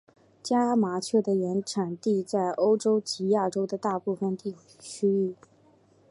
家麻雀的原产地在欧洲及亚洲的大部份区域。